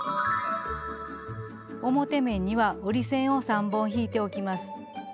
表面には折り線を３本引いておきます。